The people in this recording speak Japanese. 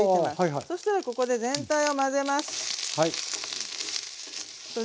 そしたらここで全体を混ぜます。